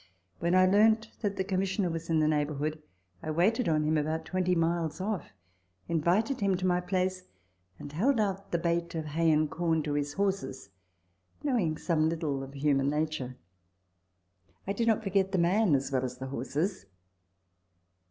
When I learnt that (he Commissioner was in the neighbourhood, I waited on him about twenty miles off, in vited him to my place, and held out the bait of hay and corn to his horses (knowing some little of human nature) ; I did not forget the man as well as the horses.